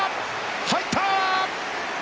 入った！